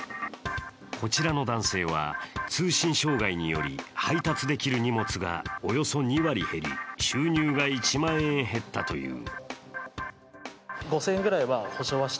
こちらの男性は、通信障害により配達できる荷物がおよそ２割減り、収入が１万円減ったという。